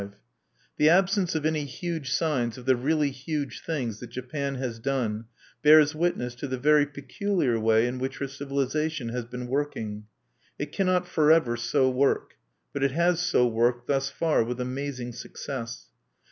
V The absence of any huge signs of the really huge things that Japan has done bears witness to the very peculiar way in which her civilization has been working. It cannot forever so work; but it has so worked thus far with amazing success.